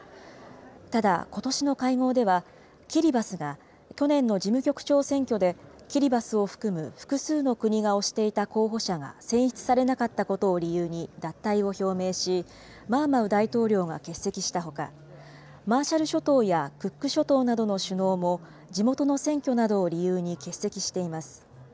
ただ、ことしの会合では、キリバスが去年の事務局長選挙でキリバスを含む複数の国が推していた候補者が選出されなかったことを理由に脱退を表明し、マーマウ大統領が欠席したほか、マーシャル諸島やクック諸島などの首脳も、地元の選挙などを理由に欠席しています。